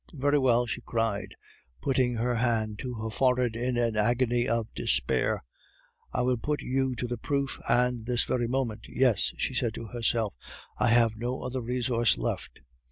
"Very well," she cried, putting her hand to her forehead in an agony of despair, "I will put you to the proof, and this very moment. Yes," she said to herself, "I have no other resource left."